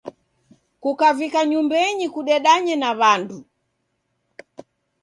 Kukavika nyumbenyi kudedanye na w'andu.